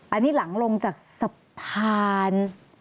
อันนี้หลังลงจากสะพาน